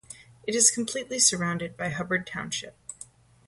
It is completely surrounded by Hubbard Township.